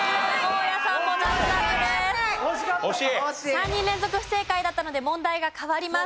３人連続不正解だったので問題が変わります。